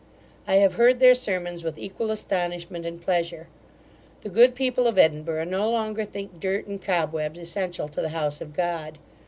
I have heard their sermons with equal astonishment and pleasure. The good people of Edinburgh no longer think dirt and cobwebs essential to the house of God.